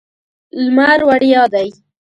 لمر وړیا دی.